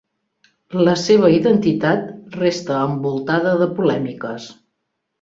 La seva identitat resta envoltada de polèmiques.